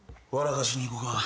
かしにいこか。